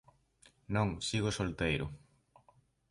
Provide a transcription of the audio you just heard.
Non, sigo solteiro.